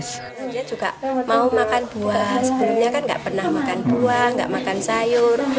sebelumnya kan tidak pernah makan buah tidak makan sayur